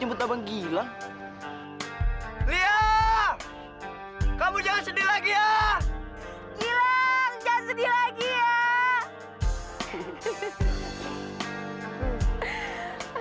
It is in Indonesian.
nyemput abang gila liah kamu jangan sedih lagi ya gila jangan sedih lagi ya